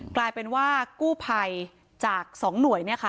กลายเป็นว่ากู้ภัยจาก๒หน่วย